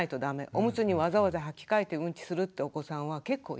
おむつにわざわざはき替えてうんちするってお子さんは結構いるんですね。